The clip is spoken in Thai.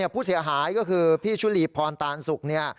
ผู้เสียหายก็คือพี่ชุลีพรตานสุก